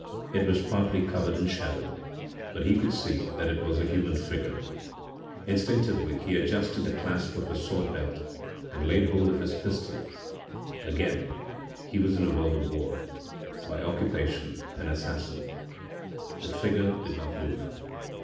It was partly covered in shadow, but he could see that it was a human figure. Instinctively he adjusted the clasp of his swordbelt and laid hold of his pistol again he was in a world of war, by occupation an assassin. < 4 > The figure did not move.